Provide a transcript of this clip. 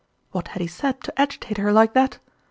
What had he said to agitate her like that?